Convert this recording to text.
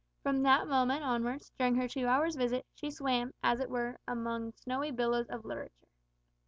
From that moment onwards, during her two hours' visit, she swam, as it were, among snowy billows of literature.